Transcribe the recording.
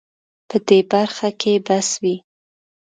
په دې برخه کې بس وي